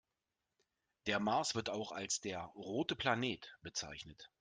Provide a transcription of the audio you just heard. Der Mars wird auch als der „rote Planet“ bezeichnet.